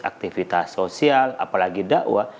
aktivitas sosial apalagi dakwah